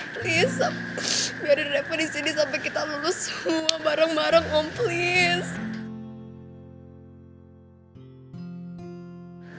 please biarin reva disini sampai kita lulus semua bareng bareng om please